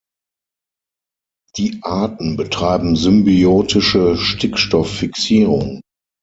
Die Arten betreiben symbiotische Stickstofffixierung.